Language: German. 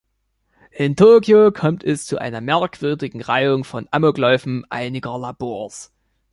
In Tokio kommt es zu einer merkwürdigen Reihung von Amokläufen einiger Labors.